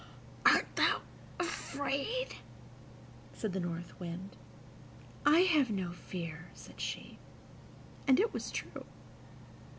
"Art thou afraid?" said the North Wind. "I have no fear," said she; and it was true.